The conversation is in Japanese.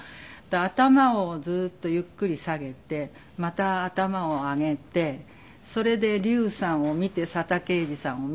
頭をずっとゆっくり下げてまた頭を上げてそれで笠さんを見て佐田啓二さんを見て。